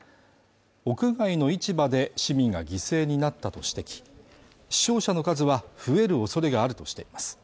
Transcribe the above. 屋外の市場で市民が犠牲になったと指摘死傷者の数は増えるおそれがあるとしています